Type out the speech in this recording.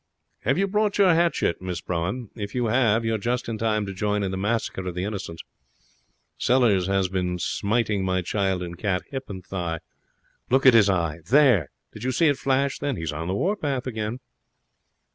'Have you brought your hatchet, Miss Brougham? If you have, you're just in time to join in the massacre of the innocents. Sellers has been smiting my child and cat hip and thigh. Look at his eye. There! Did you see it flash then? He's on the warpath again.'